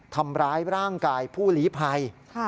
ทำร้ายร่างกายผู้หลีภัย